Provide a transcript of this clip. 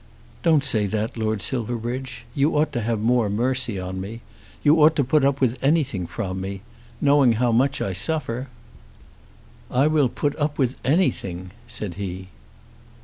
"Don't say that, Lord Silverbridge. You ought to have more mercy on me. You ought to put up with anything from me, knowing how much I suffer." "I will put up with anything," said he.